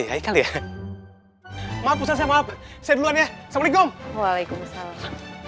highlight hai maaf kasusnya saya duluan yang sampai hukum waalaikumsalam